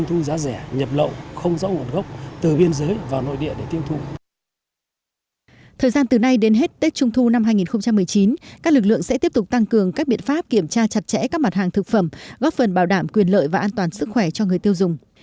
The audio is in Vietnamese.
trong năm hai nghìn một mươi chín các lực lượng sẽ tiếp tục tăng cường các biện pháp kiểm tra chặt chẽ các mặt hàng thực phẩm góp phần bảo đảm quyền lợi và an toàn sức khỏe cho người tiêu dùng